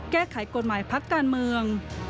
แก้ไขกฎหมายพักการเมือง